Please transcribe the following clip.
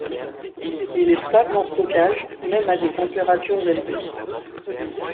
Il est stable en stockage, même à des températures élevées.